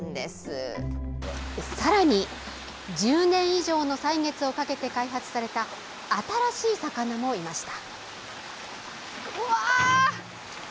さらに１０年以上の歳月をかけて開発された新しい魚もいました。